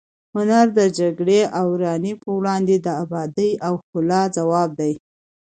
هنر د جګړې او ورانۍ پر وړاندې د ابادۍ او ښکلا ځواب دی.